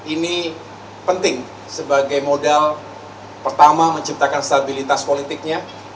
ini penting sebagai modal pertama menciptakan stabilitas politiknya